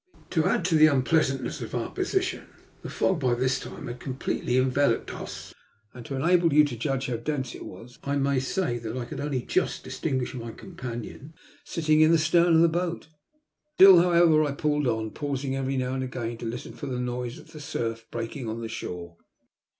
To add to the unpleasantness of our position, the fog by this time had completely enveloped us, and to enable you to judge how dense it was I may say that I could only just distinguish my companion sitting in the stem of the boat. Still, however, I pulled on, pausing every now and again to listen for the noise of the surf breaking on the shore.